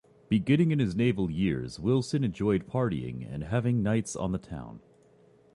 Beginning in his naval years, Wilson enjoyed partying and having nights on the town.